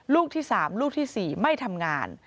ลูกที่๓ลูกที่๔ไม่ทำงาน